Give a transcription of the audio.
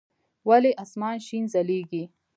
ولي اسمان شين ځليږي؟